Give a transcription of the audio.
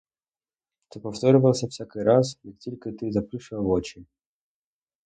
Це повторювалося всякий раз, як тільки ти заплющував очі.